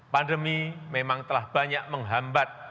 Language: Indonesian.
pandemi memang telah banyak menghambat